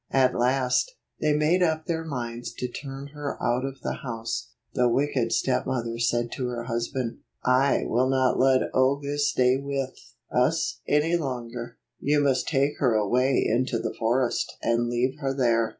At last, they made up their minds to turn her out of the house. The wicked stepmother said to her husband, " I will not let Olga stay with 27 us any longer. You must take her away into the forest, and leave her there."